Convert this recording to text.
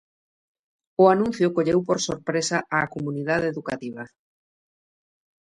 O anuncio colleu por sorpresa a comunidade educativa.